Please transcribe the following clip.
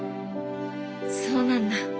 そうなんだ。